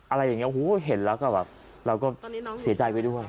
อะไรแบบเนี้ยเห็นแล้วก็เราก็เสียใจไปด้วย